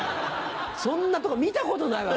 そんなとこ見たことないわ。